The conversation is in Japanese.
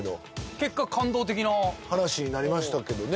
結果感動的な話になりましたけどね